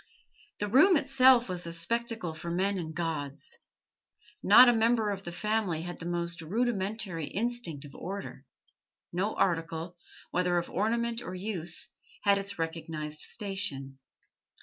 The room itself was a spectacle for men and gods. Not a member of the family had the most rudimentary instinct of order; no article, whether of ornament or use, had its recognised station.